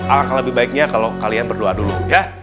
alangkah lebih baiknya kalau kalian berdoa dulu ya